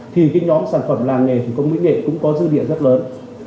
thì những nhóm sản phẩm làng nghề thủ công lĩnh hệ cũng có dư điện rất lớn